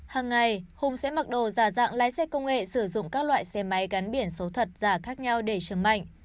hằng ngày hùng sẽ mặc đồ giả dạng lái xe công nghệ sử dụng các loại xe máy gắn biển số thật giả khác nhau để chứng mạnh